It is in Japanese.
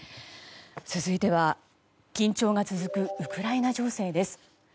続いては、緊張が続くウクライナ情勢です。